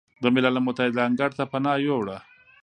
د ملل متحد انګړ ته پناه ویوړه،